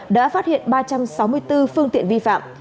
đã phát hiện ba trăm sáu mươi bốn phương tiện vi phạm